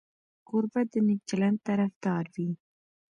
کوربه د نیک چلند طرفدار وي.